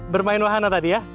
bermain wahana tadi ya